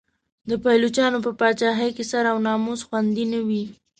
د پایلوچانو په پاچاهۍ کې سر او ناموس خوندي نه و.